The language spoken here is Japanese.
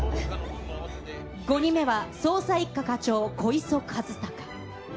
５人目は、捜査一課課長、小磯一高。